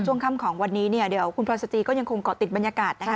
ช่วงค่ำของวันนี้เนี่ยเดี๋ยวคุณพลอยสจีก็ยังคงเกาะติดบรรยากาศนะคะ